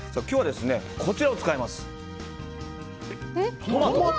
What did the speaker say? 今日は、こちらを使います。